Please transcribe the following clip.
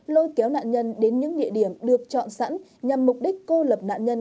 lôi kéo nạn nhân đến những địa điểm được chọn sẵn nhằm mục đích cô lập nạn nhân